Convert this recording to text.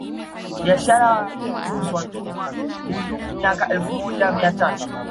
Biashara ya Waarabu kuhusu watumwa ilidumu miaka elfu moja mia tatu